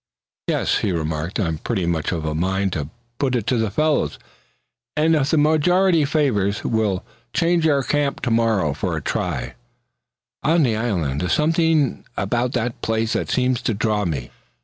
"Yes," he remarked, "I'm pretty much of a mind to put it to the fellows; and if the majority favors, we'll change our camp to morrow, for a try on the island. There's something about that place that seems to draw me."